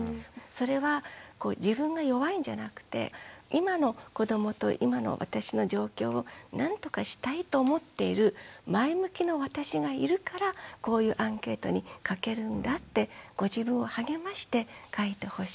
それは自分が弱いんじゃなくて今の子どもと今の私の状況をなんとかしたいと思っている前向きの私がいるからこういうアンケートに書けるんだってご自分を励まして書いてほしい。